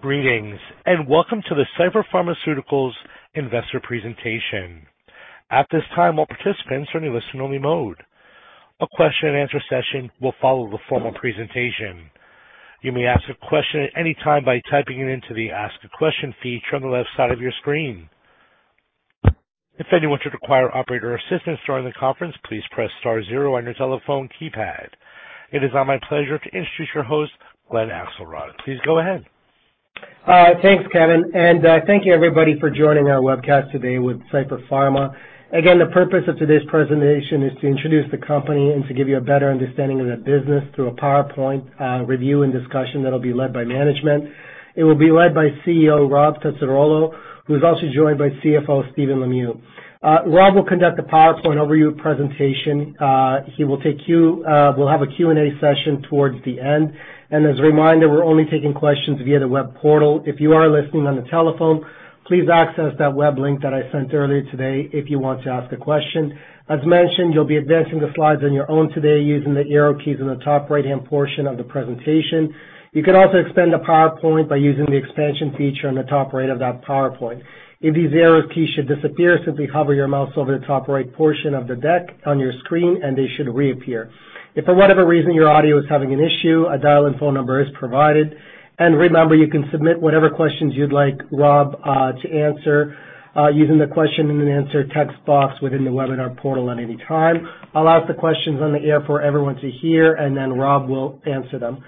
Greetings and welcome to the Cipher Pharmaceuticals' Investor Presentation. At this time, all participants are in a listen-only mode. A question-and-answer session will follow the formal presentation. You may ask a question at any time by typing it into the Ask a Question feature on the left side of your screen. If anyone should require operator assistance during the conference, please press star zero on your telephone keypad. It is my pleasure to introduce your host, Glenn Axelrod. Please go ahead. Thanks, Kevin. And thank you, everybody, for joining our webcast today with Cipher Pharmaceuticals. Again, the purpose of today's presentation is to introduce the company and to give you a better understanding of the business through a PowerPoint review and discussion that will be led by management. It will be led by CEO Rob Tessarolo, who's also joined by CFO Stephen Lemieux. Rob will conduct the PowerPoint overview presentation. He will have a Q&A session towards the end. And as a reminder, we're only taking questions via the web portal. If you are listening on the telephone, please access that web link that I sent earlier today if you want to ask a question. As mentioned, you'll be advancing the slides on your own today using the arrow keys in the top right-hand portion of the presentation. You can also expand the PowerPoint by using the expansion feature on the top right of that PowerPoint. If these arrow keys should disappear, simply hover your mouse over the top right portion of the deck on your screen, and they should reappear. If for whatever reason your audio is having an issue, a dial-in phone number is provided. And remember, you can submit whatever questions you'd like, Rob, to answer using the question-and-answer text box within the webinar portal at any time. I'll ask the questions on the air for everyone to hear, and then Rob will answer them.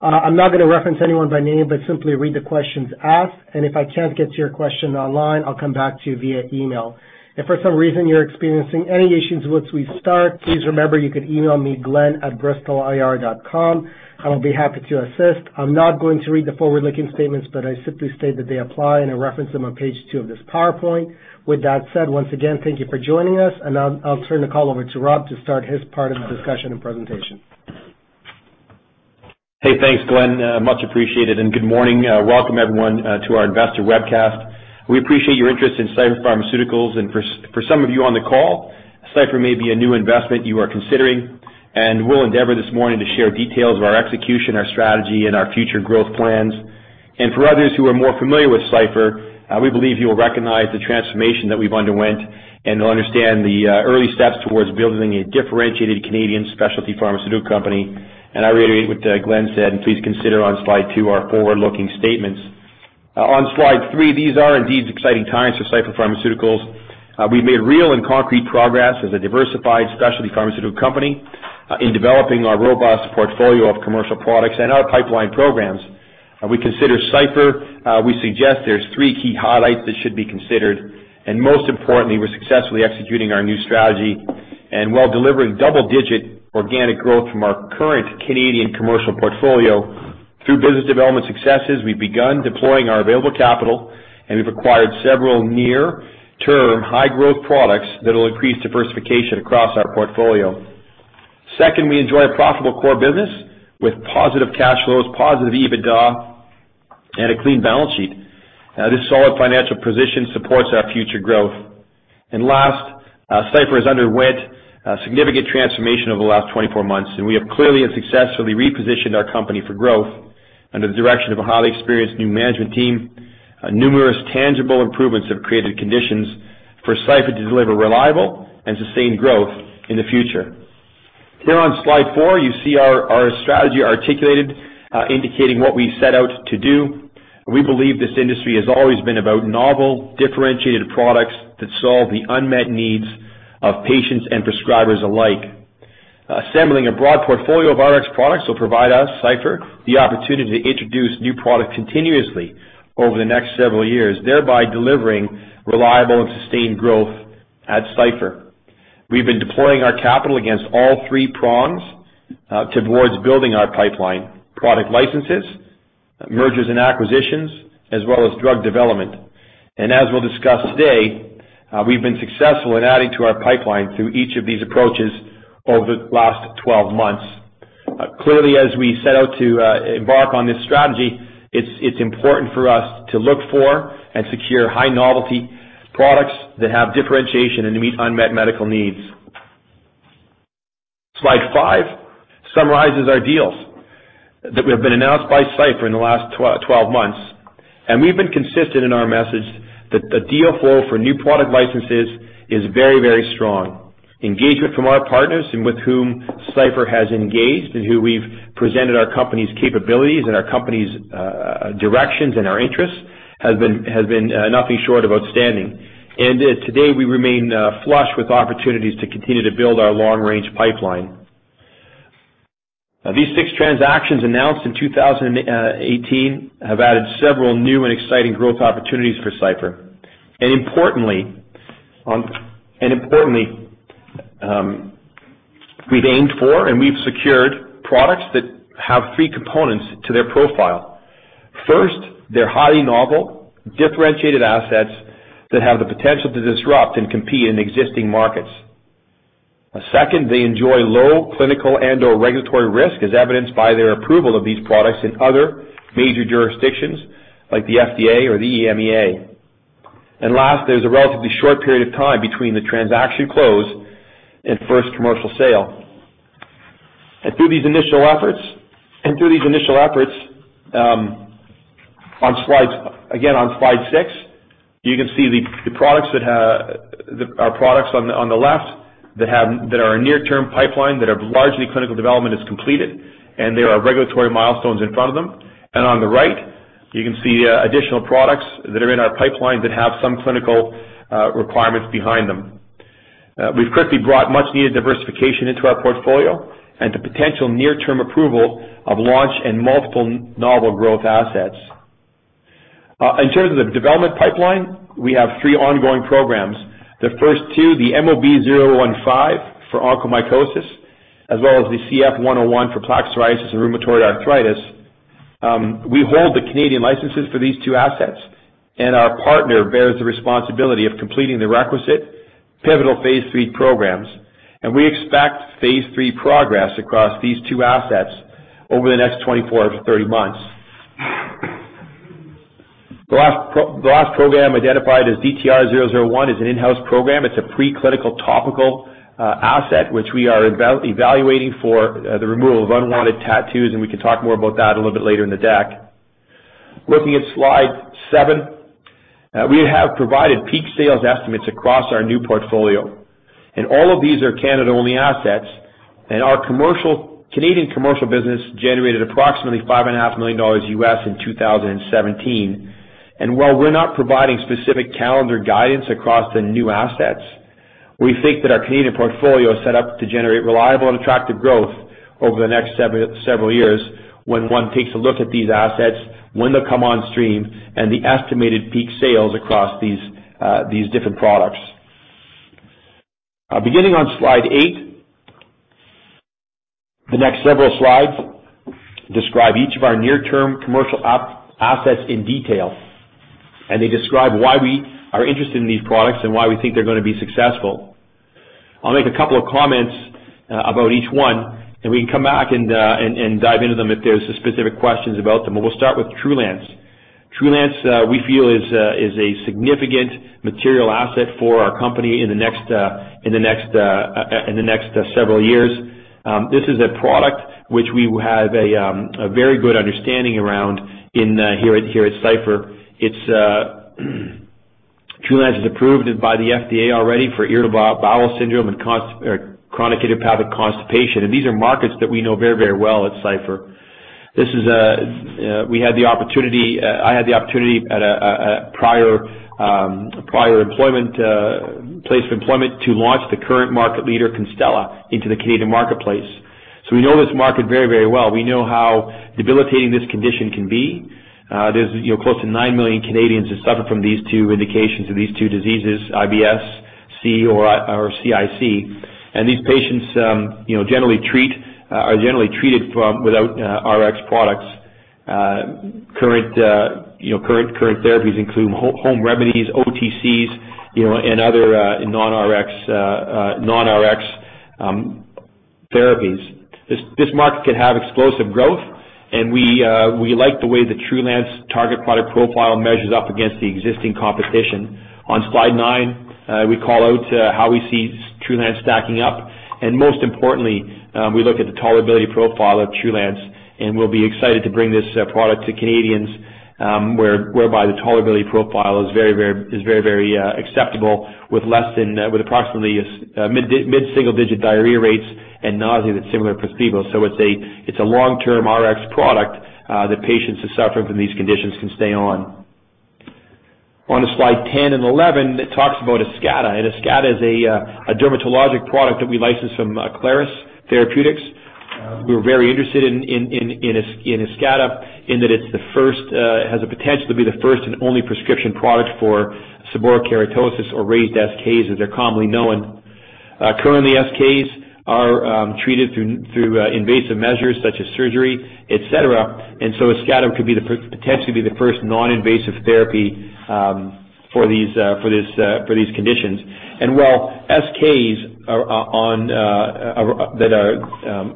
I'm not going to reference anyone by name, but simply read the questions asked. And if I can't get to your question online, I'll come back to you via email. If for some reason you're experiencing any issues once we start, please remember you can email me, glenn@bristolir.com, and I'll be happy to assist. I'm not going to read the forward-looking statements, but I simply state that they apply and I reference them on page two of this PowerPoint. With that said, once again, thank you for joining us, and now I'll turn the call over to Rob to start his part of the discussion and presentation. Hey, thanks, Glenn. Much appreciated. And good morning. Welcome, everyone, to our investor webcast. We appreciate your interest in Cipher Pharmaceuticals. And for some of you on the call, Cipher may be a new investment you are considering. And we'll endeavor this morning to share details of our execution, our strategy, and our future growth plans. And for others who are more familiar with Cipher, we believe you will recognize the transformation that we've underwent and will understand the early steps towards building a differentiated Canadian specialty pharmaceutical company. And I reiterate what Glenn said, and please consider on slide two our forward-looking statements. On slide three, these are indeed exciting times for Cipher Pharmaceuticals. We've made real and concrete progress as a diversified specialty pharmaceutical company in developing our robust portfolio of commercial products and our pipeline programs. We consider Cipher. We suggest there's three key highlights that should be considered. And most importantly, we're successfully executing our new strategy and while delivering double-digit organic growth from our current Canadian commercial portfolio. Through business development successes, we've begun deploying our available capital, and we've acquired several near-term high-growth products that will increase diversification across our portfolio. Second, we enjoy a profitable core business with positive cash flows, positive EBITDA, and a clean balance sheet. This solid financial position supports our future growth. And last, Cipher has underwent a significant transformation over the last 24 months, and we have clearly and successfully repositioned our company for growth under the direction of a highly experienced new management team. Numerous tangible improvements have created conditions for Cipher to deliver reliable and sustained growth in the future. Here on slide four, you see our strategy articulated, indicating what we set out to do. We believe this industry has always been about novel, differentiated products that solve the unmet needs of patients and prescribers alike. Assembling a broad portfolio of Rx products will provide us, Cipher, the opportunity to introduce new products continuously over the next several years, thereby delivering reliable and sustained growth at Cipher. We've been deploying our capital against all three prongs towards building our pipeline: product licenses, mergers and acquisitions, as well as drug development. As we'll discuss today, we've been successful in adding to our pipeline through each of these approaches over the last 12 months. Clearly, as we set out to embark on this strategy, it's important for us to look for and secure high-novelty products that have differentiation and meet unmet medical needs. Slide five summarizes our deals that have been announced by Cipher in the last 12 months. And we've been consistent in our message that the deal flow for new product licenses is very, very strong. Engagement from our partners and with whom Cipher has engaged and who we've presented our company's capabilities and our company's directions and our interests has been nothing short of outstanding. And today, we remain flush with opportunities to continue to build our long-range pipeline. These six transactions announced in 2018 have added several new and exciting growth opportunities for Cipher. And importantly, we've aimed for and we've secured products that have three components to their profile. First, they're highly novel, differentiated assets that have the potential to disrupt and compete in existing markets. Second, they enjoy low clinical and/or regulatory risk, as evidenced by their approval of these products in other major jurisdictions like the FDA or the EMEA. And last, there's a relatively short period of time between the transaction close and first commercial sale. And through these initial efforts, again, on slide six, you can see the products on the left that are a near-term pipeline that have largely clinical development is completed, and there are regulatory milestones in front of them. And on the right, you can see additional products that are in our pipeline that have some clinical requirements behind them. We've quickly brought much-needed diversification into our portfolio and the potential near-term approval of launch and multiple novel growth assets. In terms of the development pipeline, we have three ongoing programs. The first two, the MOB-015 for onychomycosis, as well as the CF101 for plaque psoriasis and rheumatoid arthritis. We hold the Canadian licenses for these two assets, and our partner bears the responsibility of completing the requisite pivotal phase three programs, and we expect phase three progress across these two assets over the next 24-30 months. The last program identified as DTR-001 is an in-house program. It's a preclinical topical asset, which we are evaluating for the removal of unwanted tattoos, and we can talk more about that a little bit later in the deck. Looking at slide seven, we have provided peak sales estimates across our new portfolio, and all of these are Canada-only assets, and our Canadian commercial business generated approximately 5.5 million dollars in 2017. While we're not providing specific calendar guidance across the new assets, we think that our Canadian portfolio is set up to generate reliable and attractive growth over the next several years when one takes a look at these assets, when they come on stream, and the estimated peak sales across these different products. Beginning on slide eight, the next several slides describe each of our near-term commercial assets in detail. They describe why we are interested in these products and why we think they're going to be successful. I'll make a couple of comments about each one, and we can come back and dive into them if there's specific questions about them. We'll start with Trulance. Trulance, we feel, is a significant material asset for our company in the next several years. This is a product which we have a very good understanding around here at Cipher. Trulance is approved by the FDA already for irritable bowel syndrome and chronic idiopathic constipation, and these are markets that we know very, very well at Cipher. We had the opportunity. I had the opportunity at a prior place of employment to launch the current market leader, Constella, into the Canadian marketplace, so we know this market very, very well. We know how debilitating this condition can be. There's close to nine million Canadians that suffer from these two indications of these two diseases, IBS-C or CIC, and these patients are generally treated without Rx products. Current therapies include home remedies, OTCs, and other non-Rx therapies. This market can have explosive growth, and we like the way the Trulance target product profile measures up against the existing competition. On slide nine, we call out how we see Trulance stacking up. And most importantly, we look at the tolerability profile of Trulance, and we'll be excited to bring this product to Canadians, whereby the tolerability profile is very, very acceptable with approximately mid-single-digit diarrhea rates and nausea that's similar to placebo. So it's a long-term Rx product that patients who suffer from these conditions can stay on. On slide 10 and 11, it talks about Eskata. And Eskata is a dermatologic product that we license from Aclaris Therapeutics. We're very interested in Eskata in that it has the potential to be the first and only prescription product for seborrheic keratosis or raised SKs, as they're commonly known. Currently, SKs are treated through invasive measures such as surgery, etc. And so Eskata could potentially be the first non-invasive therapy for these conditions. And while SKs that are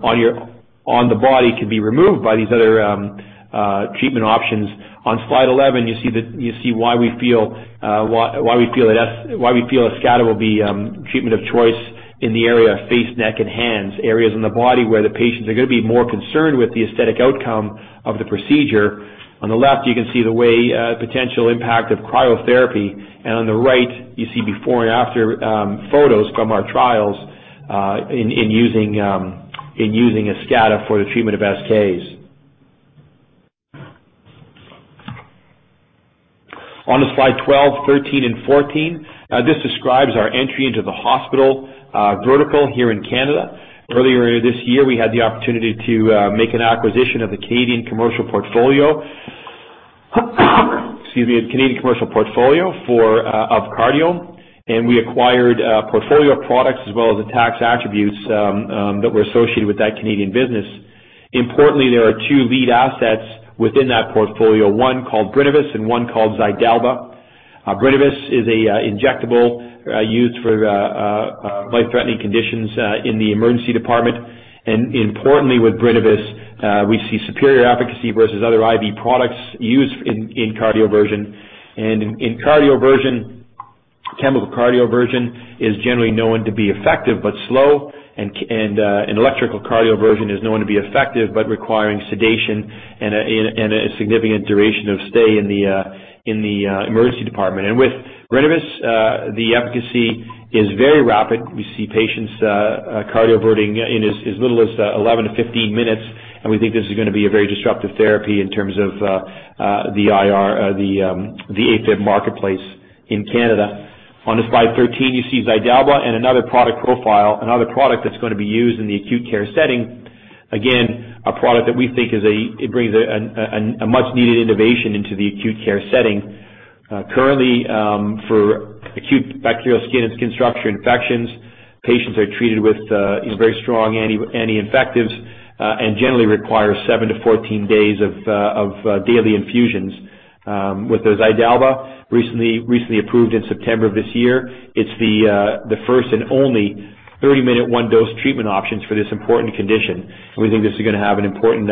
on the body can be removed by these other treatment options, on slide 11, you see why we feel that Eskata will be treatment of choice in the area of face, neck, and hands, areas on the body where the patients are going to be more concerned with the aesthetic outcome of the procedure. On the left, you can see the potential impact of cryotherapy. And on the right, you see before and after photos from our trials in using Eskata for the treatment of SKs. On slide 12, 13, and 14, this describes our entry into the hospital vertical here in Canada. Earlier this year, we had the opportunity to make an acquisition of the Canadian commercial portfolio of Cardiome. And we acquired a portfolio of products as well as the tax attributes that were associated with that Canadian business. Importantly, there are two lead assets within that portfolio, one called Brinavess and one called Xydalba. Brinavess is an injectable used for life-threatening conditions in the emergency department, and importantly, with Brinavess, we see superior efficacy versus other IV products used in cardioversion. In cardioversion, chemical cardioversion is generally known to be effective but slow, and electrical cardioversion is known to be effective but requiring sedation and a significant duration of stay in the emergency department, and with Brinavess, the efficacy is very rapid. We see patients cardioverting in as little as 11 to 15 minutes, and we think this is going to be a very disruptive therapy in terms of the AFib marketplace in Canada. On slide 13, you see Xydalba and another product profile, another product that's going to be used in the acute care setting. Again, a product that we think brings a much-needed innovation into the acute care setting. Currently, for acute bacterial skin and skin structure infections, patients are treated with very strong anti-infectives and generally require seven to 14 days of daily infusions. With the Xydalba, recently approved in September of this year, it's the first and only 30-minute one-dose treatment option for this important condition. We think this is going to have an important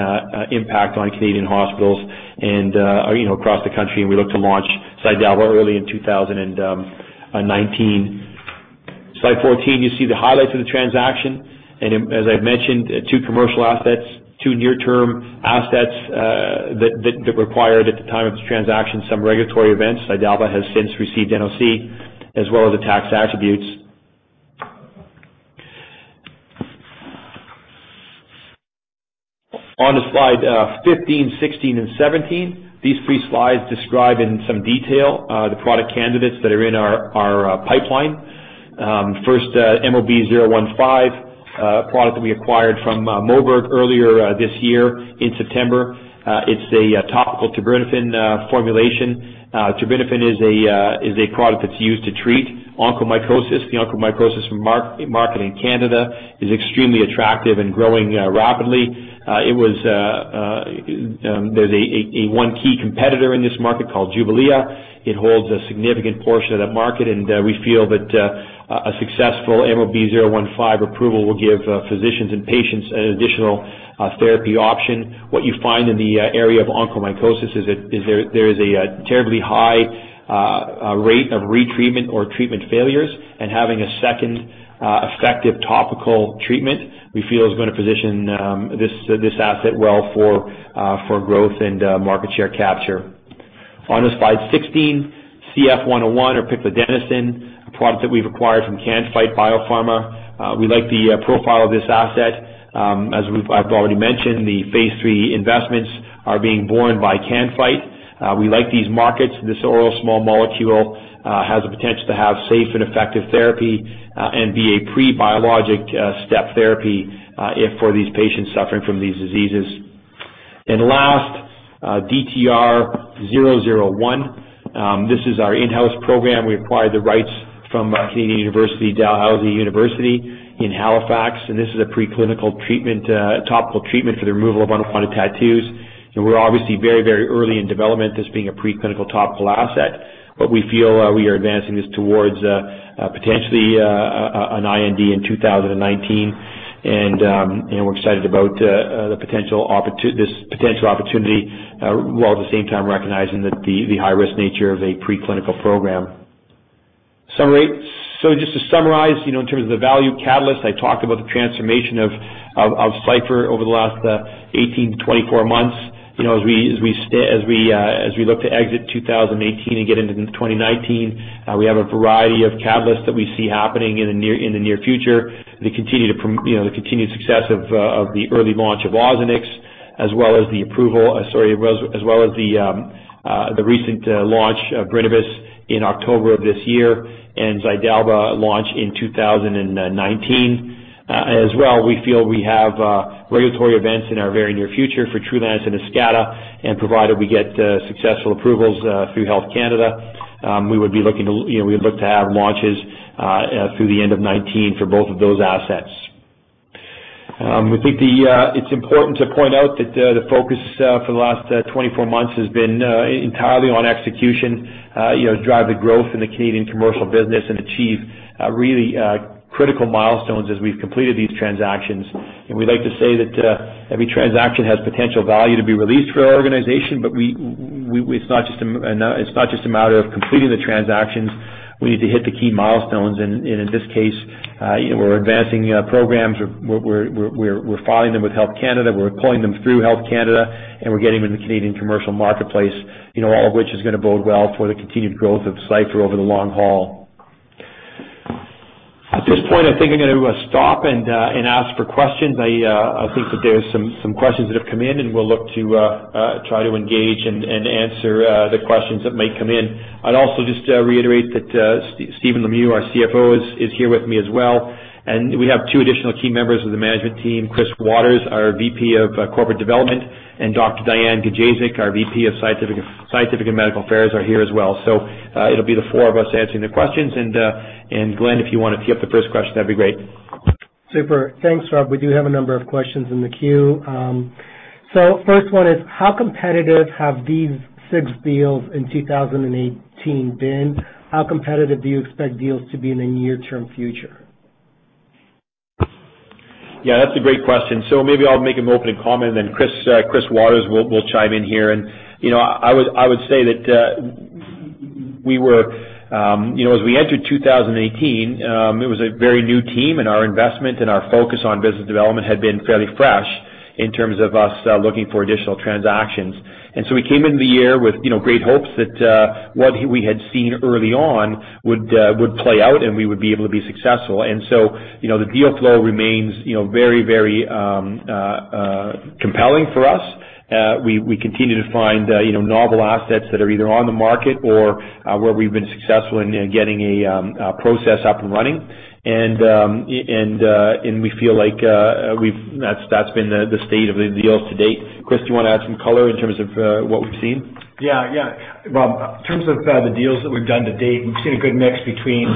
impact on Canadian hospitals and across the country, and we look to launch Xydalba early in 2019. Slide 14, you see the highlights of the transaction, and as I've mentioned, two commercial assets, two near-term assets that required at the time of this transaction, some regulatory events. Xydalba has since received NOC as well as the tax attributes. On slide 15, 16, and 17, these three slides describe in some detail the product candidates that are in our pipeline. First, MOB-015, a product that we acquired from Moberg earlier this year in September. It's a topical terbinafine formulation. Terbinafine is a product that's used to treat onychomycosis. The onychomycosis market in Canada is extremely attractive and growing rapidly. There's a one-key competitor in this market called JUBLIA. It holds a significant portion of that market. And we feel that a successful MOB-015 approval will give physicians and patients an additional therapy option. What you find in the area of onychomycosis is there is a terribly high rate of retreatment or treatment failures. And having a second effective topical treatment, we feel, is going to position this asset well for growth and market share capture. On slide 16, CF101 or piclidenoson, a product that we've acquired from Can-Fite BioPharma. We like the profile of this asset. As I've already mentioned, the phase three investments are being borne by Can-Fite. We like these markets. This oral small molecule has the potential to have safe and effective therapy and be a pre-biologic step therapy for these patients suffering from these diseases, and last, DTR-001. This is our in-house program. We acquired the rights from Dalhousie University in Halifax, and this is a preclinical topical treatment for the removal of unwanted tattoos. And we're obviously very, very early in development, this being a preclinical topical asset. But we feel we are advancing this towards potentially an IND in 2019, and we're excited about this potential opportunity, while at the same time recognizing the high-risk nature of a preclinical program. Just to summarize, in terms of the value catalyst, I talked about the transformation of Cipher over the last 18-24 months. As we look to exit 2018 and get into 2019, we have a variety of catalysts that we see happening in the near future. The continued success of the early launch of Ozanex, as well as the approval, sorry, as well as the recent launch of Brinavess in October of this year and Xydalba launch in 2019. As well, we feel we have regulatory events in our very near future for Trulance and Eskata. Provided we get successful approvals through Health Canada, we would look to have launches through the end of 2019 for both of those assets. We think it's important to point out that the focus for the last 24 months has been entirely on execution, drive the growth in the Canadian commercial business, and achieve really critical milestones as we've completed these transactions. And we like to say that every transaction has potential value to be released for our organization. But it's not just a matter of completing the transactions. We need to hit the key milestones. And in this case, we're advancing programs. We're filing them with Health Canada. We're pulling them through Health Canada. And we're getting them in the Canadian commercial marketplace, all of which is going to bode well for the continued growth of Cipher over the long haul. At this point, I think I'm going to stop and ask for questions. I think that there are some questions that have come in. We'll look to try to engage and answer the questions that might come in. I'd also just reiterate that Stephen Lemieux, our CFO, is here with me as well. We have two additional key members of the management team, Chris Watters, our VP of Corporate Development, and Dr. Diane Gajewczyk, our VP of Scientific and Medical Affairs, are here as well. So it'll be the four of us answering the questions. Glenn, if you want to pick up the first question, that'd be great. Super. Thanks, Rob. We do have a number of questions in the queue. First one is, how competitive have these six deals in 2018 been? How competitive do you expect deals to be in the near-term future? Yeah, that's a great question. So maybe I'll make an opening comment. And then Chris Watters will chime in here. And I would say that we were, as we entered 2018, it was a very new team. And our investment and our focus on business development had been fairly fresh in terms of us looking for additional transactions. And so we came into the year with great hopes that what we had seen early on would play out and we would be able to be successful. And so the deal flow remains very, very compelling for us. We continue to find novel assets that are either on the market or where we've been successful in getting a process up and running. And we feel like that's been the state of the deals to date. Chris, do you want to add some color in terms of what we've seen? Yeah. Yeah. Well, in terms of the deals that we've done to date, we've seen a good mix between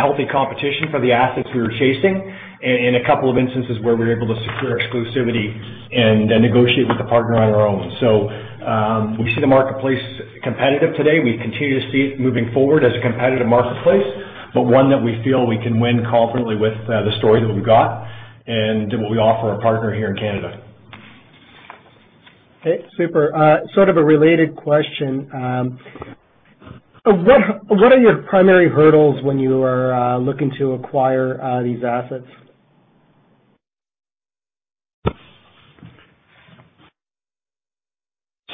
healthy competition for the assets we were chasing and a couple of instances where we were able to secure exclusivity and negotiate with the partner on our own. So we see the marketplace competitive today. We continue to see it moving forward as a competitive marketplace, but one that we feel we can win confidently with the story that we've got and what we offer our partner here in Canada. Okay. Super. Sort of a related question. What are your primary hurdles when you are looking to acquire these assets? So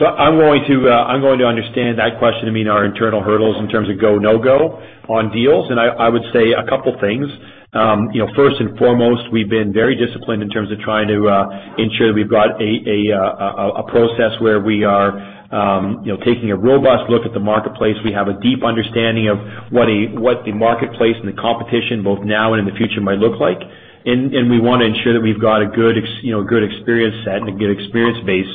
I'm going to understand that question and mean our internal hurdles in terms of go, no-go on deals. And I would say a couple of things. First and foremost, we've been very disciplined in terms of trying to ensure that we've got a process where we are taking a robust look at the marketplace. We have a deep understanding of what the marketplace and the competition, both now and in the future, might look like. And we want to ensure that we've got a good experience set and a good experience base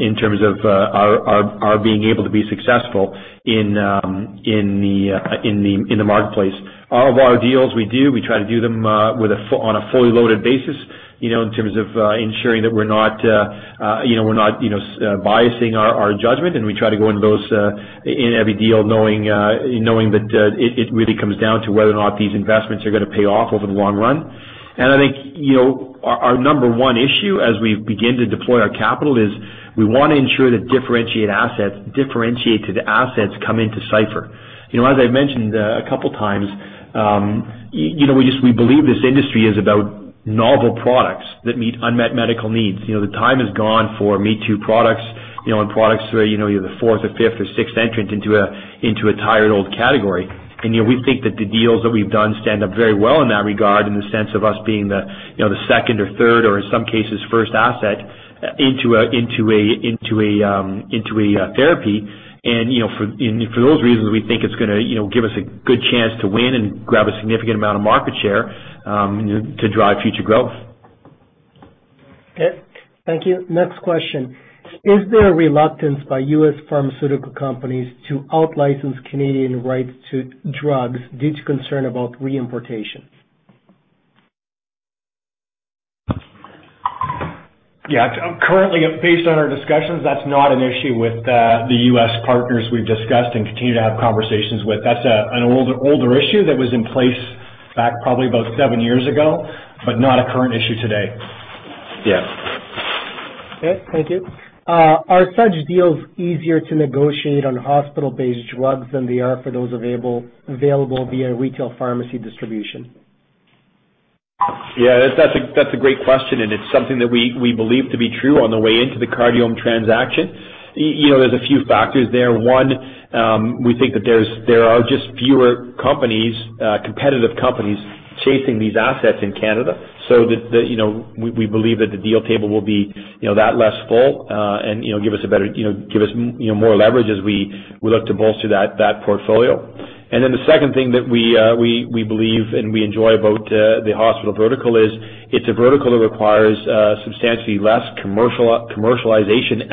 in terms of our being able to be successful in the marketplace. All of our deals we do, we try to do them on a fully loaded basis in terms of ensuring that we're not biasing our judgment. We try to go into every deal knowing that it really comes down to whether or not these investments are going to pay off over the long run. I think our number one issue as we begin to deploy our capital is we want to ensure that differentiated assets come into Cipher. As I've mentioned a couple of times, we believe this industry is about novel products that meet unmet medical needs. The time is gone for me-too products and products where you're the fourth or fifth or sixth entrant into a tired old category. We think that the deals that we've done stand up very well in that regard in the sense of us being the second or third or, in some cases, first asset into a therapy. For those reasons, we think it's going to give us a good chance to win and grab a significant amount of market share to drive future growth. Okay. Thank you. Next question. Is there a reluctance by U.S. pharmaceutical companies to out-license Canadian rights to drugs due to concern about re-importation? Yeah. Currently, based on our discussions, that's not an issue with the U.S. partners we've discussed and continue to have conversations with. That's an older issue that was in place back probably about seven years ago, but not a current issue today. Yeah. Okay. Thank you. Are such deals easier to negotiate on hospital-based drugs than they are for those available via retail pharmacy distribution? Yeah. That's a great question. And it's something that we believe to be true on the way into the Cardiome transaction. There's a few factors there. One, we think that there are just fewer competitive companies chasing these assets in Canada. So we believe that the deal table will be that less full and give us more leverage as we look to bolster that portfolio. And then the second thing that we believe and we enjoy about the hospital vertical is it's a vertical that requires substantially less commercialization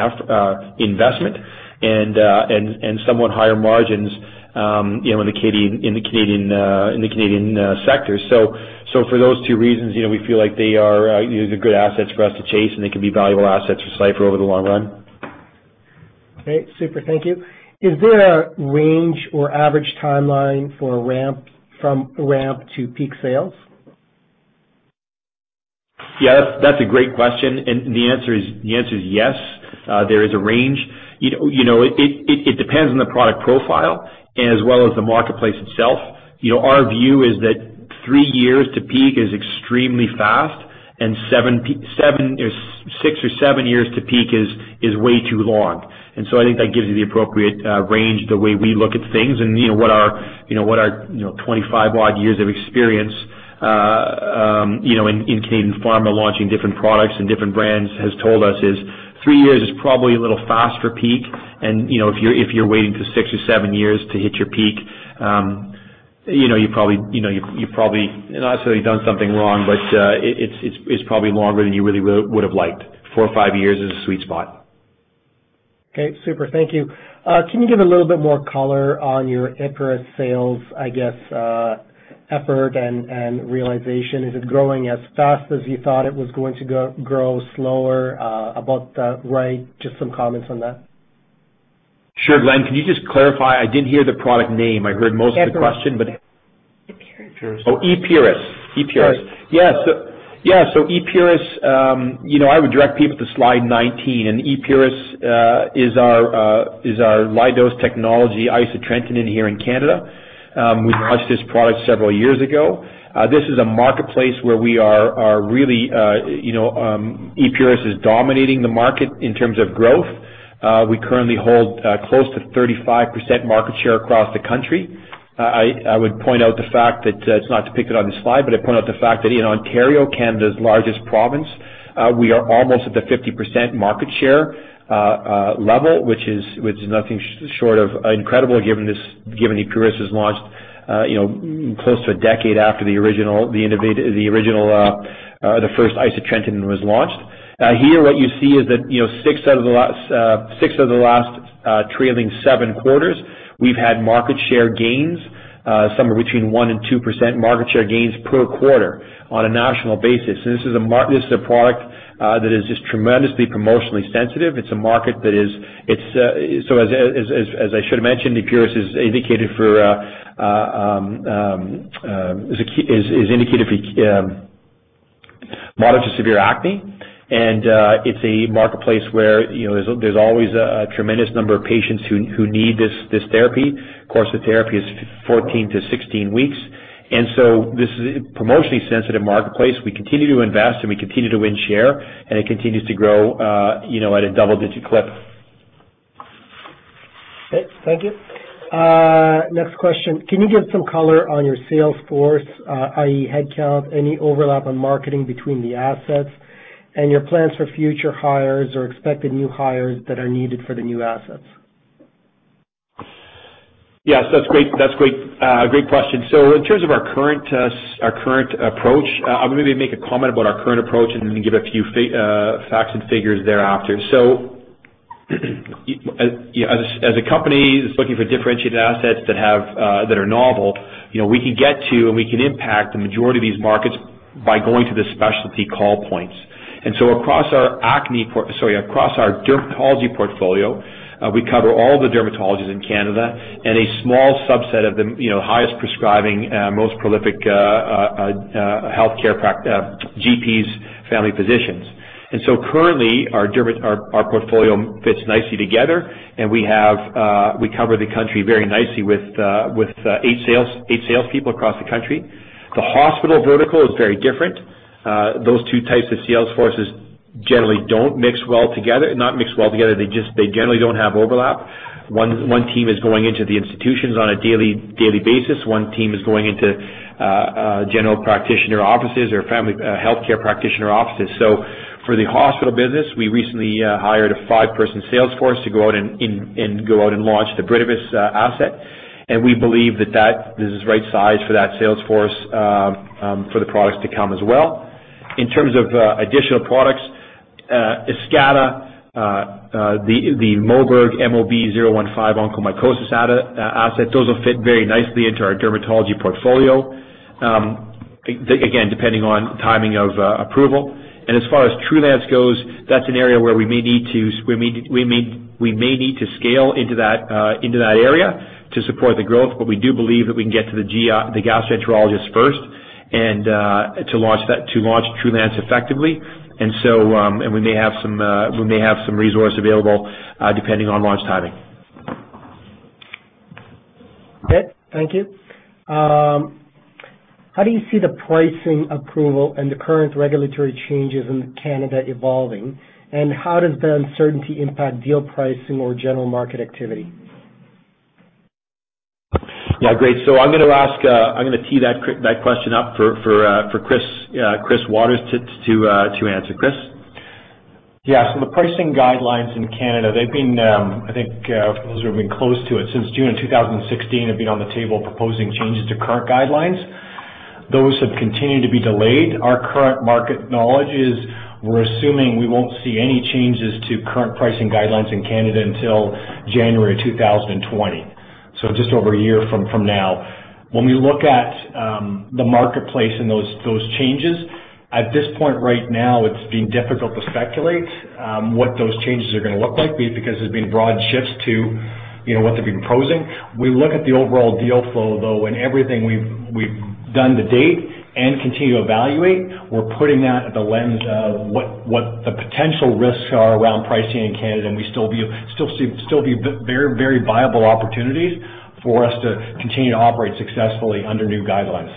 investment and somewhat higher margins in the Canadian sector. So for those two reasons, we feel like they are good assets for us to chase. And they can be valuable assets for Cipher over the long run. Okay. Super. Thank you. Is there a range or average timeline from ramp to peak sales? Yeah. That's a great question. And the answer is yes. There is a range. It depends on the product profile as well as the marketplace itself. Our view is that three years to peak is extremely fast. And six or seven years to peak is way too long. And so I think that gives you the appropriate range the way we look at things. And what our 25-odd years of experience in Canadian pharma launching different products and different brands has told us is three years is probably a little faster peak. And if you're waiting to six or seven years to hit your peak, you probably not necessarily done something wrong, but it's probably longer than you really would have liked. Four or five years is a sweet spot. Okay. Super. Thank you. Can you give a little bit more color on your Epuris sales, I guess, effort and realization? Is it growing as fast as you thought it was going to grow, slower, about the right? Just some comments on that. Sure. Glen, can you just clarify? I didn't hear the product name. I heard most of the question, but. Epuris. Oh, Epuris. Epuris. Yeah. So I would direct people to slide 19. And Epuris is our low-dose technology isotretinoin here in Canada. We launched this product several years ago. This is a marketplace where we are really Epuris is dominating the market in terms of growth. We currently hold close to 35% market share across the country. I would point out the fact that it's not depicted on this slide, but I point out the fact that in Ontario, Canada's largest province, we are almost at the 50% market share level, which is nothing short of incredible given Epuris was launched close to a decade after the original, the first isotretinoin was launched. Here, what you see is that six out of the last trailing seven quarters, we've had market share gains, somewhere between 1%-2% market share gains per quarter on a national basis. And this is a product that is just tremendously promotionally sensitive. It's a market that is so as I should have mentioned, Epuris is indicated for moderate to severe acne. And it's a marketplace where there's always a tremendous number of patients who need this therapy. Course of therapy is 14-16 weeks. And so this is a promotionally sensitive marketplace. We continue to invest. And we continue to win share. And it continues to grow at a double-digit clip. Okay. Thank you. Next question. Can you give some color on your sales force, i.e., headcount, any overlap on marketing between the assets and your plans for future hires or expected new hires that are needed for the new assets? Yes. That's a great question. So in terms of our current approach, I'll maybe make a comment about our current approach and then give a few facts and figures thereafter. So as a company that's looking for differentiated assets that are novel, we can get to and we can impact the majority of these markets by going to the specialty call points. And so across our acne sorry, across our dermatology portfolio, we cover all the dermatologists in Canada and a small subset of the highest prescribing, most prolific healthcare GPs, family physicians. And so currently, our portfolio fits nicely together. And we cover the country very nicely with eight salespeople across the country. The hospital vertical is very different. Those two types of sales forces generally don't mix well together. They generally don't have overlap. One team is going into the institutions on a daily basis. One team is going into general practitioner offices or family healthcare practitioner offices. So for the hospital business, we recently hired a five-person sales force to go out and launch the Brinavess asset. And we believe that this is the right size for that sales force for the products to come as well. In terms of additional products, Eskata, the Moberg MOB-015 onychomycosis asset, those will fit very nicely into our dermatology portfolio, again, depending on timing of approval. And as far as Trulance goes, that's an area where we may need to we may need to scale into that area to support the growth. But we do believe that we can get to the gastroenterologist first and to launch Trulance effectively. And we may have some resource available depending on launch timing. Okay. Thank you. How do you see the pricing approval and the current regulatory changes in Canada evolving, and how does the uncertainty impact deal pricing or general market activity? Yeah. Great. So I'm going to tee that question up for Chris Watters to answer. Chris? Yeah. So, the pricing guidelines in Canada, I think those who have been close to it since June of 2016 have been on the table proposing changes to current guidelines. Those have continued to be delayed. Our current market knowledge is we're assuming we won't see any changes to current pricing guidelines in Canada until January 2020, so just over a year from now. When we look at the marketplace and those changes, at this point right now, it's been difficult to speculate what those changes are going to look like because there's been broad shifts to what they've been proposing. We look at the overall deal flow, though, and everything we've done to date and continue to evaluate, we're putting that through the lens of what the potential risks are around pricing in Canada. We still view very, very viable opportunities for us to continue to operate successfully under new guidelines.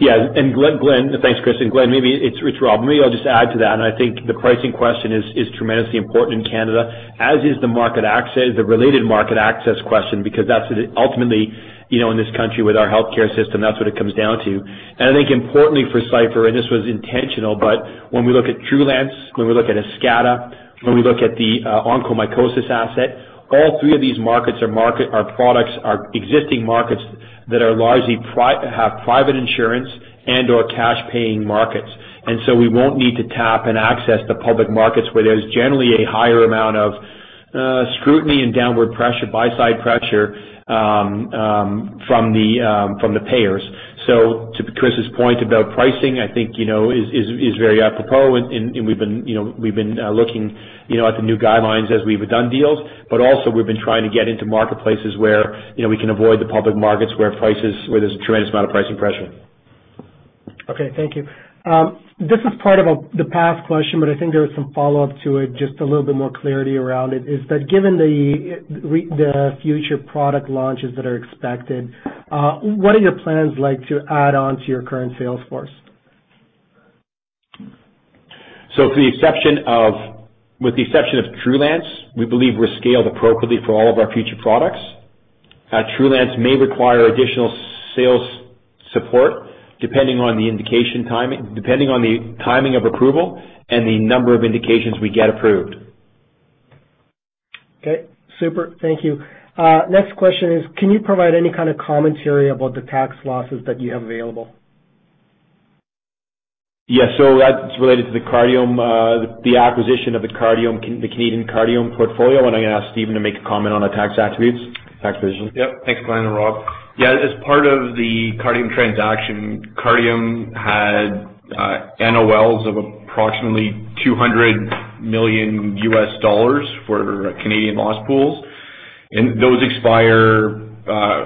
Yeah. And Glenn, thanks, Chris. And Glenn, maybe it's Rob. Maybe I'll just add to that. And I think the pricing question is tremendously important in Canada, as is the related market access question because that's ultimately in this country with our healthcare system, that's what it comes down to. And I think importantly for Cipher, and this was intentional, but when we look at Trulance, when we look at Eskata, when we look at the onychomycosis asset, all three of these markets are existing markets that largely have private insurance and/or cash-paying markets. And so we won't need to tap and access the public markets where there's generally a higher amount of scrutiny and downward pressure, buy-side pressure from the payers. So to Chris's point about pricing, I think is very apropos. And we've been looking at the new guidelines as we've done deals. But also, we've been trying to get into marketplaces where we can avoid the public markets where there's a tremendous amount of pricing pressure. Okay. Thank you. This is part of the past question, but I think there was some follow-up to it, just a little bit more clarity around it. Is that given the future product launches that are expected, what are your plans like to add on to your current sales force? With the exception of Trulance, we believe we're scaled appropriately for all of our future products. Trulance may require additional sales support depending on the timing of approval and the number of indications we get approved. Okay. Super. Thank you. Next question is, can you provide any kind of commentary about the tax losses that you have available? Yeah. So that's related to the acquisition of the Cardiome portfolio. And I'm going to ask Stephen to make a comment on the tax attributes, tax position. Yep. Thanks, Glenn and Rob. Yeah. As part of the Cardiome transaction, Cardiome had NOLs of approximately $200 million for Canadian loss pools. And those expire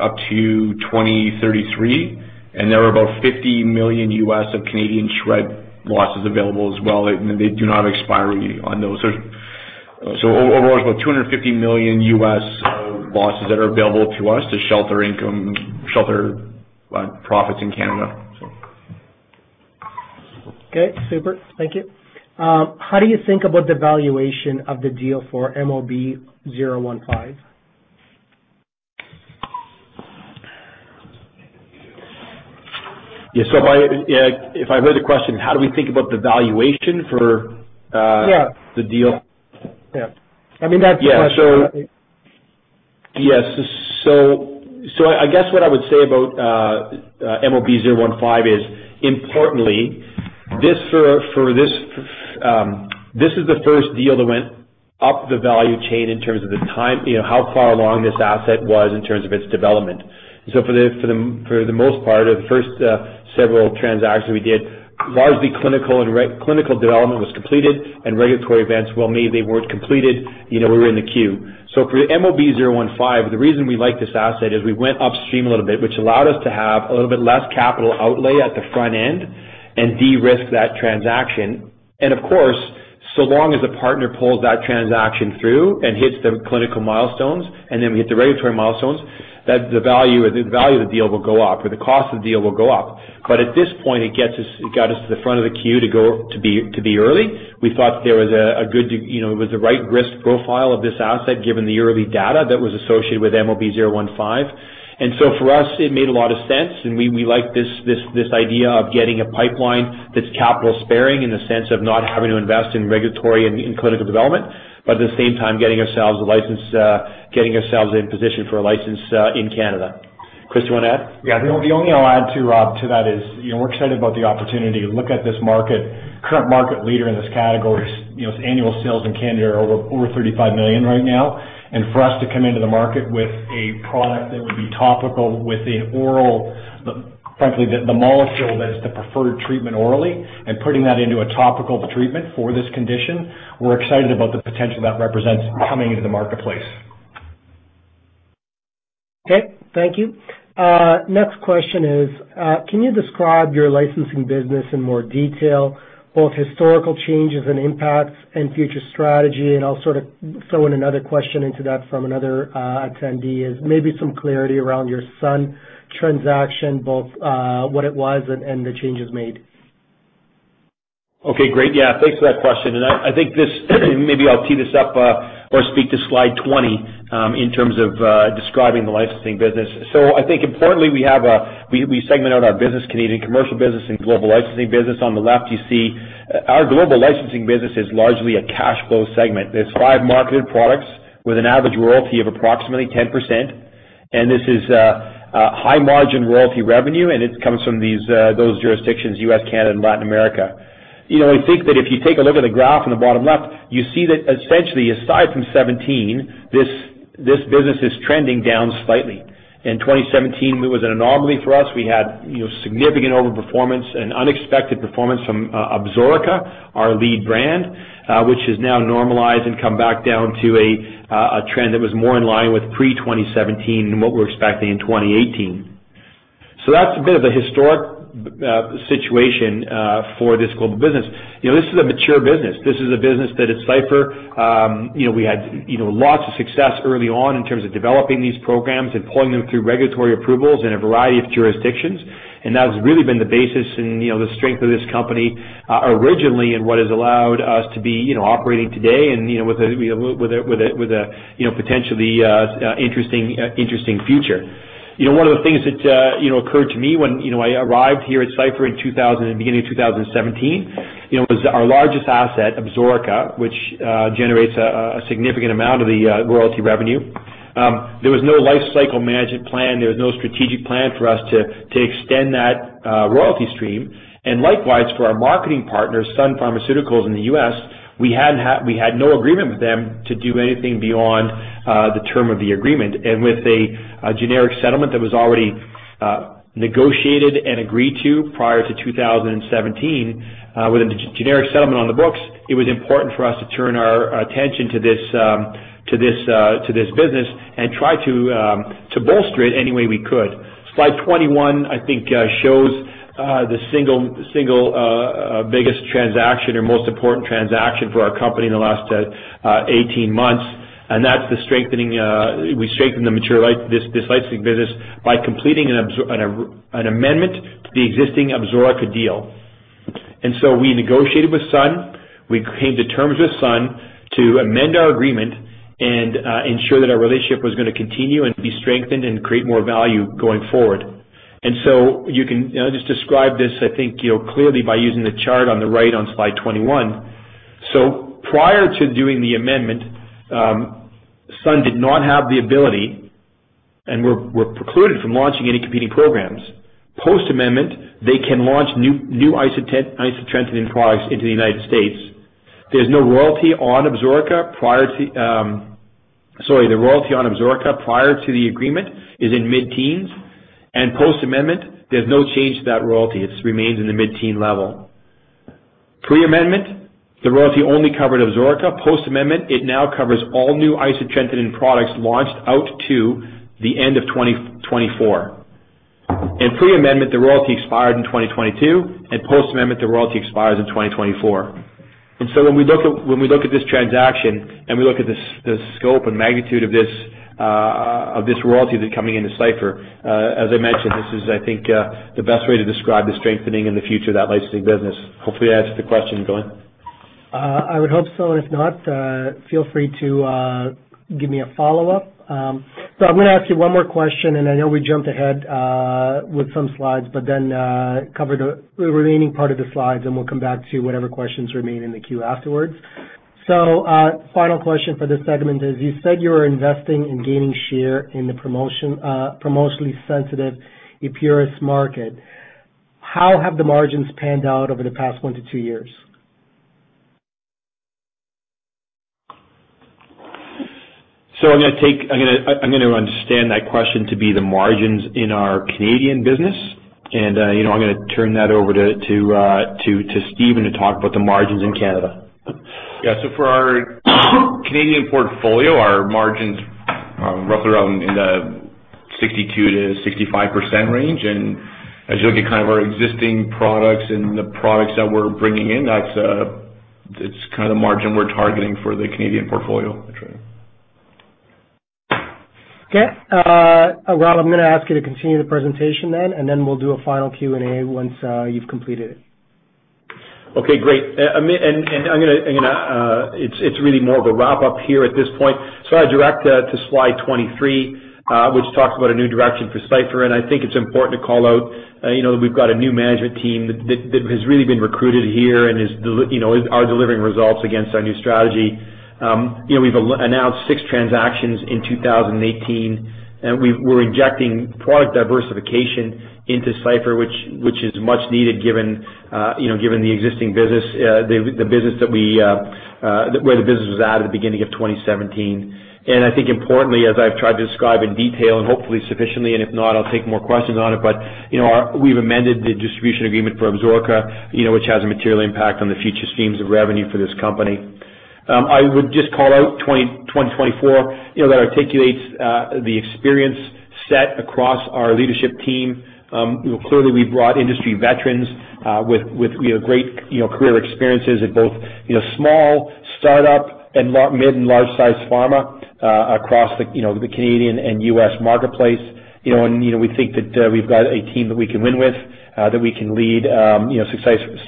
up to 2033. And there are about $50 million of Canadian SR&ED losses available as well. And they do not have expiry on those. So overall, there's about $250 million losses that are available to us to shelter profits in Canada, so. Okay. Super. Thank you. How do you think about the valuation of the deal for MOB-015? Yeah. So if I heard the question, how do we think about the valuation for the deal? Yeah. I mean, that's the question. Yeah. Yes. So I guess what I would say about MOB-015 is, importantly, this is the first deal that went up the value chain in terms of how far along this asset was in terms of its development. So for the most part, the first several transactions we did, largely clinical development was completed. And regulatory events, well, maybe they weren't completed. We were in the queue. So for MOB-015, the reason we like this asset is we went upstream a little bit, which allowed us to have a little bit less capital outlay at the front end and de-risk that transaction. And of course, so long as the partner pulls that transaction through and hits the clinical milestones and then we hit the regulatory milestones, the value of the deal will go up or the cost of the deal will go up. But at this point, it got us to the front of the queue to be early. We thought that there was a good, it was the right risk profile of this asset given the early data that was associated with MOB-015. And so for us, it made a lot of sense. And we like this idea of getting a pipeline that's capital-sparing in the sense of not having to invest in regulatory and clinical development, but at the same time, getting ourselves in position for a license in Canada. Chris, do you want to add? Yeah. The only thing I'll add to that is we're excited about the opportunity to look at this current market leader in this category. Its annual sales in Canada are over 35 million right now. And for us to come into the market with a product that would be topical with an oral frankly, the molecule that's the preferred treatment orally and putting that into a topical treatment for this condition, we're excited about the potential that represents coming into the marketplace. Okay. Thank you. Next question is, can you describe your licensing business in more detail, both historical changes and impacts and future strategy? And I'll sort of throw in another question into that from another attendee is maybe some clarity around your Sun transaction, both what it was and the changes made. Okay. Great. Yeah. Thanks for that question. And I think this maybe I'll tee this up or speak to slide 20 in terms of describing the licensing business. So I think importantly, we segment out our business, Canadian commercial business and global licensing business. On the left, you see our global licensing business is largely a cash flow segment. There's five marketed products with an average royalty of approximately 10%. And this is high-margin royalty revenue. And it comes from those jurisdictions, U.S., Canada, and Latin America. I think that if you take a look at the graph on the bottom left, you see that essentially, aside from 2017, this business is trending down slightly. In 2017, it was an anomaly for us. We had significant overperformance and unexpected performance from Absorica, our lead brand, which has now normalized and come back down to a trend that was more in line with pre-2017 and what we're expecting in 2018, so that's a bit of a historic situation for this global business. This is a mature business. This is a business that at Cipher, we had lots of success early on in terms of developing these programs and pulling them through regulatory approvals in a variety of jurisdictions, and that's really been the basis and the strength of this company originally and what has allowed us to be operating today and with a potentially interesting future. One of the things that occurred to me when I arrived here at Cipher in the beginning of 2017 was our largest asset, Absorica, which generates a significant amount of the royalty revenue. There was no life cycle management plan. There was no strategic plan for us to extend that royalty stream. And likewise, for our marketing partner, Sun Pharmaceuticals in the U.S., we had no agreement with them to do anything beyond the term of the agreement. And with a generic settlement that was already negotiated and agreed to prior to 2017, with a generic settlement on the books, it was important for us to turn our attention to this business and try to bolster it any way we could. Slide 21, I think, shows the single biggest transaction or most important transaction for our company in the last 18 months. And that's the strengthening. We strengthened this licensing business by completing an amendment to the existing Absorica deal. And so we negotiated with Sun. We came to terms with Sun to amend our agreement and ensure that our relationship was going to continue and be strengthened and create more value going forward, and so you can just describe this, I think, clearly by using the chart on the right on slide 21, so prior to doing the amendment, Sun did not have the ability and were precluded from launching any competing programs. Post-amendment, they can launch new isotretinoin products into the United States. There's no royalty on Absorica. The royalty on Absorica prior to the agreement is in mid-teens, and post-amendment, there's no change to that royalty. It remains in the mid-teen level. Pre-amendment, the royalty only covered Absorica. Post-amendment, it now covers all new isotretinoin products launched out to the end of 2024, and pre-amendment, the royalty expired in 2022, and post-amendment, the royalty expires in 2024. And so when we look at this transaction and we look at the scope and magnitude of this royalty that's coming into Cipher, as I mentioned, this is, I think, the best way to describe the strengthening in the future of that licensing business. Hopefully, that answered the question, Glenn. I would hope so, and if not, feel free to give me a follow-up, so I'm going to ask you one more question, and I know we jumped ahead with some slides, but then cover the remaining part of the slides, and we'll come back to whatever questions remain in the queue afterwards, so final question for this segment is, you said you were investing and gaining share in the promotionally sensitive Epuris market. How have the margins panned out over the past one to two years? I'm going to understand that question to be the margins in our Canadian business. I'm going to turn that over to Stephen to talk about the margins in Canada. Yeah. So for our Canadian portfolio, our margins are roughly around in the 62%-65% range. And as you look at kind of our existing products and the products that we're bringing in, that's kind of the margin we're targeting for the Canadian portfolio. Okay. I'm going to ask you to continue the presentation then, and then we'll do a final Q&A once you've completed it. Okay. Great. And I'm going to. It's really more of a wrap-up here at this point. So I'll direct to slide 23, which talks about a new direction for Cipher. And I think it's important to call out that we've got a new management team that has really been recruited here and is delivering results against our new strategy. We've announced six transactions in 2018. And we're injecting product diversification into Cipher, which is much needed given the existing business, the business that we where the business was at at the beginning of 2017. And I think importantly, as I've tried to describe in detail and hopefully sufficiently, and if not, I'll take more questions on it, but we've amended the distribution agreement for Absorica, which has a material impact on the future streams of revenue for this company. I would just call out slide 24 that articulates the experience set across our leadership team. Clearly, we've brought industry veterans with great career experiences at both small, startup, and mid- and large-sized pharma across the Canadian and U.S. marketplace, and we think that we've got a team that we can win with, that we can lead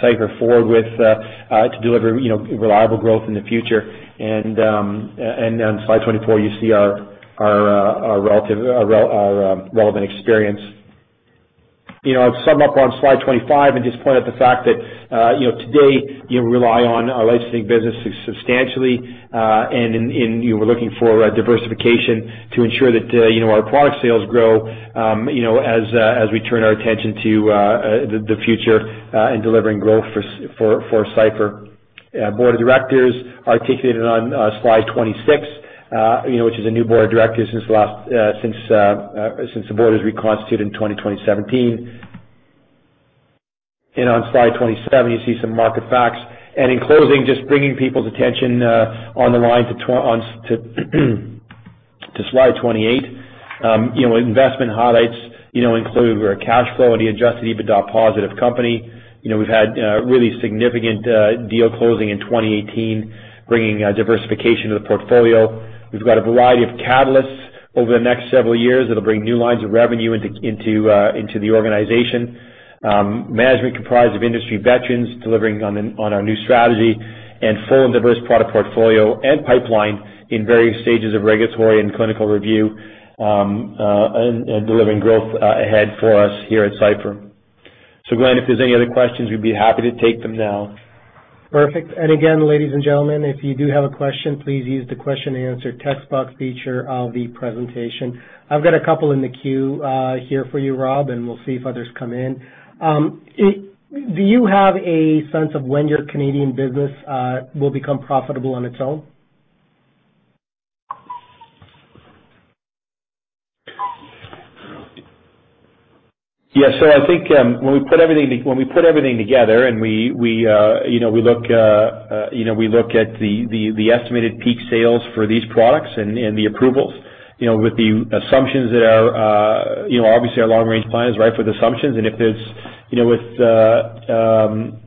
Cipher forward with to deliver reliable growth in the future, and on slide 24, you see our relevant experience. I'll sum up on slide 25 and just point out the fact that today, we rely on our licensing business substantially, and we're looking for diversification to ensure that our product sales grow as we turn our attention to the future and delivering growth for Cipher. The Board of Directors articulated on slide 26, which is a new board of directors since the board was reconstituted in 2017. On slide 27, you see some market facts. In closing, just bringing people's attention on the line to slide 28, investment highlights include our cash flow and the adjusted EBITDA positive company. We've had really significant deal closing in 2018, bringing diversification to the portfolio. We've got a variety of catalysts over the next several years that'll bring new lines of revenue into the organization. Management comprised of industry veterans delivering on our new strategy and full and diverse product portfolio and pipeline in various stages of regulatory and clinical review and delivering growth ahead for us here at Cipher. Glenn, if there's any other questions, we'd be happy to take them now. Perfect. And again, ladies and gentlemen, if you do have a question, please use the question and answer textbox feature of the presentation. I've got a couple in the queue here for you, Rob, and we'll see if others come in. Do you have a sense of when your Canadian business will become profitable on its own? Yeah. So I think when we put everything together and we look at the estimated peak sales for these products and the approvals with the assumptions that are obviously our long-range plans, right, for the assumptions. And if the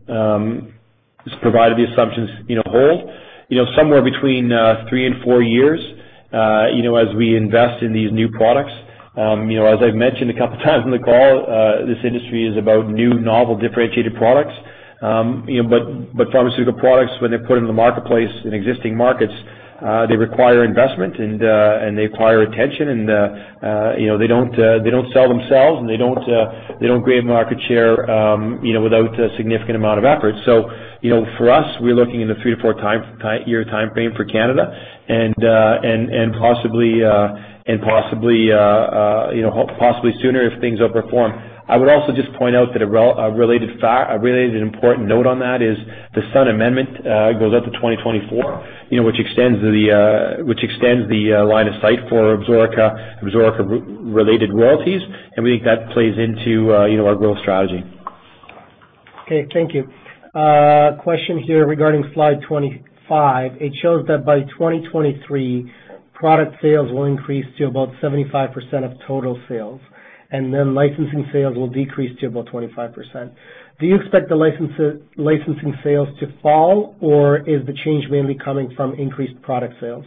assumptions provided hold, somewhere between three and four years as we invest in these new products. As I've mentioned a couple of times on the call, this industry is about new, novel, differentiated products. But pharmaceutical products, when they're put into the marketplace in existing markets, they require investment and they require attention. And they don't sell themselves, and they don't create market share without a significant amount of effort. So for us, we're looking in the three to four-year timeframe for Canada and possibly sooner if things overperform. I would also just point out that a related important note on that is the Sun Amendment goes out to 2024, which extends the line of sight for Absorica related royalties, and we think that plays into our growth strategy. Okay. Thank you. Question here regarding slide 25. It shows that by 2023, product sales will increase to about 75% of total sales. And then licensing sales will decrease to about 25%. Do you expect the licensing sales to fall, or is the change mainly coming from increased product sales?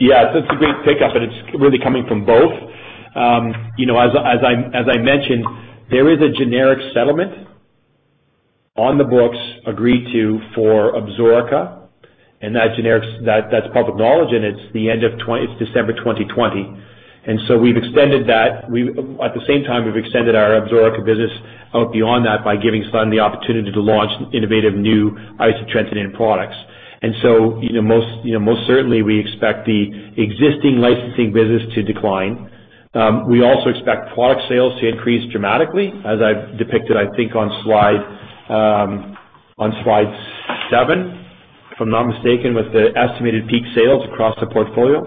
Yeah. That's a great pickup. And it's really coming from both. As I mentioned, there is a generic settlement on the books agreed to for Absorica. And that's public knowledge. And it's the end of its December 2020. And so we've extended that. At the same time, we've extended our Absorica business out beyond that by giving Sun the opportunity to launch innovative new isotretinoin products. And so most certainly, we expect the existing licensing business to decline. We also expect product sales to increase dramatically, as I've depicted, I think, on slide seven, if I'm not mistaken, with the estimated peak sales across the portfolio.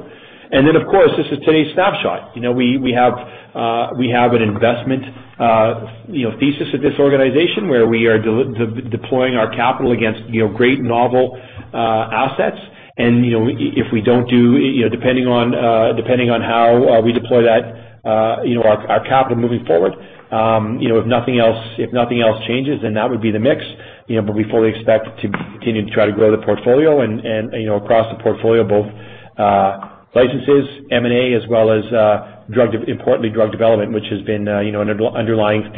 And then, of course, this is today's snapshot. We have an investment thesis at this organization where we are deploying our capital against great, novel assets. And if we don't do depending on how we deploy that, our capital moving forward, if nothing else changes, then that would be the mix. But we fully expect to continue to try to grow the portfolio and across the portfolio, both licenses, M&A, as well as importantly, drug development, which has been an underlying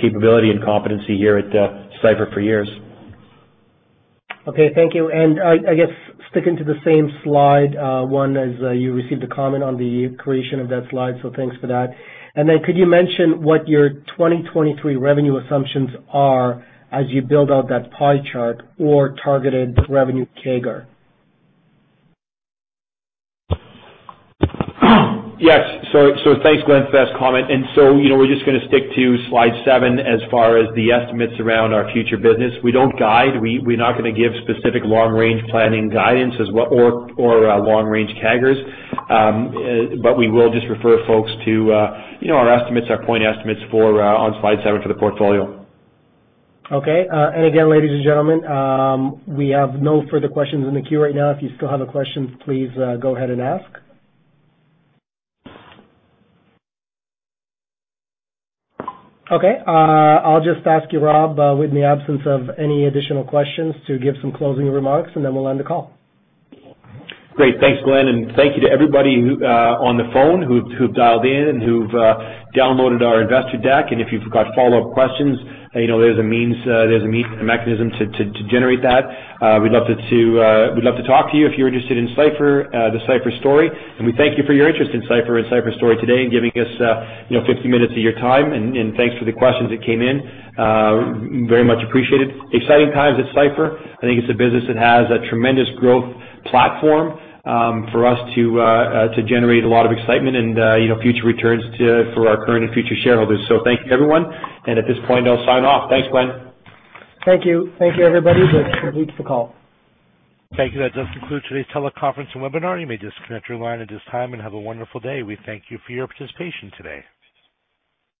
capability and competency here at Cipher for years. Okay. Thank you. And I guess sticking to the same slide one as you received a comment on the creation of that slide. So thanks for that. And then could you mention what your 2023 revenue assumptions are as you build out that pie chart or targeted revenue CAGR? Yes. So thanks, Glenn, for that comment. And so we're just going to stick to slide seven as far as the estimates around our future business. We don't guide. We're not going to give specific long-range planning guidance or long-range CAGRs. But we will just refer folks to our estimates, our point estimates on slide seven for the portfolio. Okay. And again, ladies and gentlemen, we have no further questions in the queue right now. If you still have a question, please go ahead and ask. Okay. I'll just ask you, Rob, with the absence of any additional questions, to give some closing remarks, and then we'll end the call. Great. Thanks, Glenn. And thank you to everybody on the phone who've dialed in and who've downloaded our investor deck. And if you've got follow-up questions, there's a means and a mechanism to generate that. We'd love to talk to you if you're interested in Cipher, the Cipher story. And we thank you for your interest in Cipher and Cipher story today and giving us 50 minutes of your time. And thanks for the questions that came in. Very much appreciated. Exciting times at Cipher. I think it's a business that has a tremendous growth platform for us to generate a lot of excitement and future returns for our current and future shareholders. So thank you, everyone. And at this point, I'll sign off. Thanks, Glenn. Thank you. Thank you, everybody, which completes the call. Thank you. That does conclude today's teleconference and webinar. You may disconnect your line at this time and have a wonderful day. We thank you for your participation today.